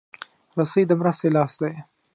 رسۍ د مرستې لاس دی.